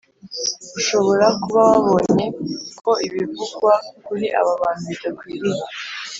Ushobora kuba wabonye ko ibivugwa kuri Aba bantu bidakwiriye